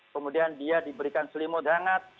kemudian dia diberikan selimut hangat